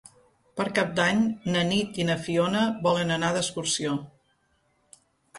Per Cap d'Any na Nit i na Fiona volen anar d'excursió.